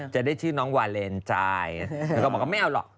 จะได้ชื่อน้องวาเลนจ่ายแล้วก็บอกว่าไม่เอาหรอก